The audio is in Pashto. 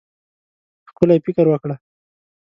ښکلی فکر وکړه.